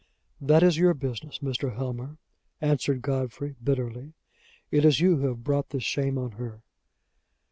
"That is your business, Mr. Helmer," answered Godfrey, bitterly. "It is you who have brought this shame on her."